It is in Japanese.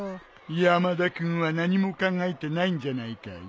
山田君は何も考えてないんじゃないかい。